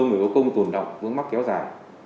người hữu công tổn động vướng mắt kéo dài